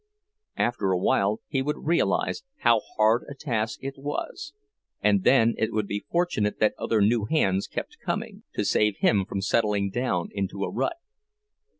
After a while he would realize how hard a task it was; and then it would be fortunate that other new hands kept coming, to save him from settling down into a rut.